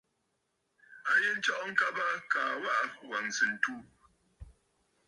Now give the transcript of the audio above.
A yi nstsɔʼɔ ŋkabə kaa waʼà wàŋsə̀ ǹtu.